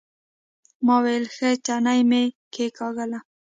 ما ويلې ښه تڼۍ مې کېکاږله.